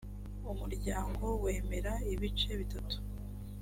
umuryango wemera ibice bitatu